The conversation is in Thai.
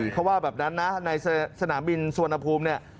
เขาว่าแบบนั้นนะในสนามบินสวนอภูมิ